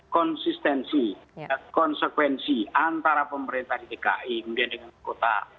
konsistensi konsekuensi antara pemerintah di dki kemudian dengan kota